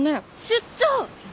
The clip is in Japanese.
出張！